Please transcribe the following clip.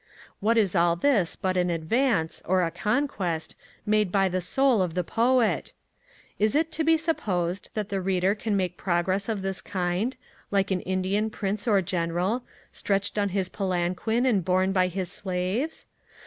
What is all this but an advance, or a conquest, made by the soul of the poet? Is it to be supposed that the reader can make progress of this kind, like an Indian prince or general stretched on his palanquin, and borne by his slaves?